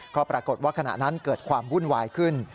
ก็ปรากฏว่าขณะนั้นเกิดความวุ่นวายขึ้น